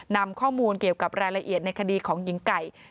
นำข้อมูลเกี่ยวกับรายละเอียดในคดีของหญิงไก่